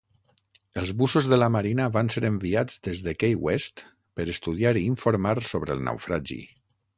Els bussos de la marina van ser enviats des de Key West per estudiar i informar sobre el naufragi.